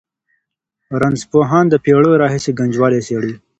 رنځپوهان د پېړیو راهېسې ګنجوالي څېړي.